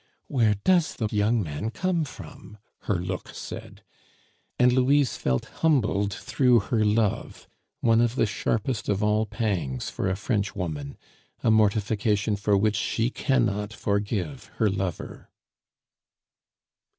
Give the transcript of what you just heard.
"Where does the young man come from?" her look said, and Louise felt humbled through her love, one of the sharpest of all pangs for a Frenchwoman, a mortification for which she cannot forgive her lover.